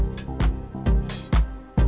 jalan atau pake motor